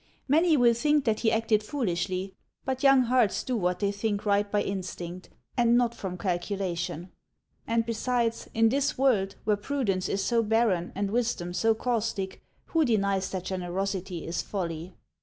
Many will think that he acted foolishly ; but young hearts do what they think right by instinct, and not from calculation ; and besides, in this world, where prudence is so barren and wisdom so caustic, who denies that generosity is folly?